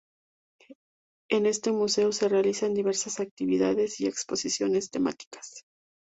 En este museo se realizan diversas actividades y exposiciones temáticas.